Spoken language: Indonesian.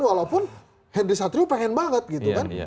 walaupun henry satrio pengen banget gitu kan